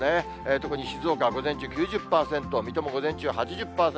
特に静岡は午前中９０％、水戸も午前中は８０％。